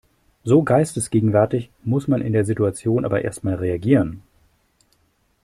So geistesgegenwärtig muss man in der Situation aber erst mal reagieren.